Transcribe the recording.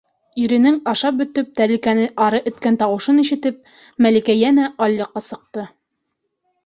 Иренең ашап бөтөп тәрилкәне ары эткән тауышын ишетеп, Мәликә йәнә алъяҡҡа сыҡты.